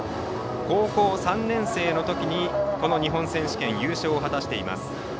高校３年生のときにこの日本選手権優勝を果たしています。